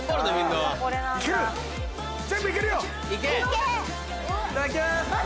いただきます。